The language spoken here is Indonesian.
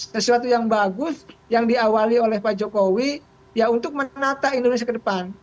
sesuatu yang bagus yang diawali oleh pak jokowi ya untuk menata indonesia ke depan